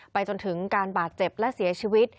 จนถึงการบาดเจ็บและเสียชีวิต